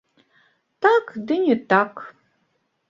Так, ды не так.